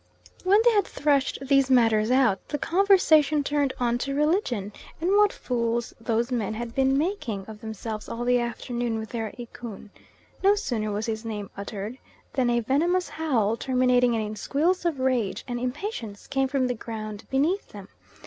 When they had threshed these matters out, the conversation turned on to religion, and what fools those men had been making of themselves all the afternoon with their Ikun. No sooner was his name uttered than a venomous howl, terminating in squeals of rage and impatience, came from the ground beneath them.